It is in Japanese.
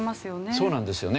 そうなんですよね。